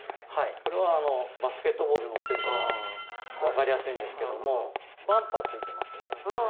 これはバスケットボール載ってるから分かりやすいんですけどもバンパーついてますよね。